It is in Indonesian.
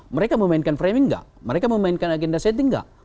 mereka memainkan framing nggak mereka memainkan agenda setting enggak